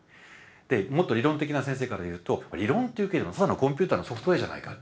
もっと理論的な先生から言うと「理論と言うけどただのコンピューターのソフトウェアじゃないか」。